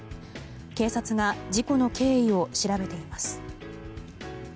警察が事故の経緯を調べています。